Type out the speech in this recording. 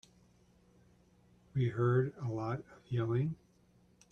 We heard a lot of yelling.